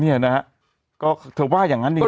เนี่ยนะฮะก็เธอว่าอย่างนั้นจริง